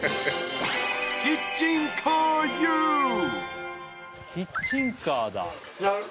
キッチンカーだ。